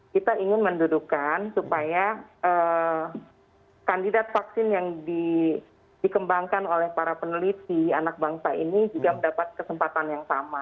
kita ingin mendudukan supaya kandidat vaksin yang dikembangkan oleh para peneliti anak bangsa ini juga mendapat kesempatan yang sama